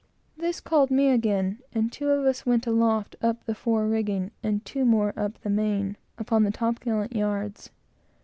This called me again, and two of us went aloft, up the fore rigging, and two more up the main, upon the top gallant yards.